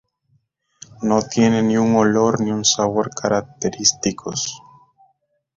No tiene ni un olor ni un sabor característicos.